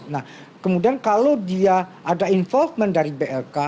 nah kemudian kalau dia ada involvement dari blk